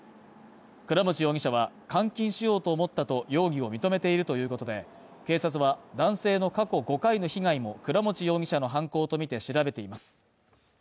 倉持容疑者は、換金しようと思ったと容疑を認めているということで、警察は男性の過去５回の被害も倉持容疑者の犯行とみて調べています。